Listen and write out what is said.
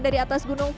dari atas gunung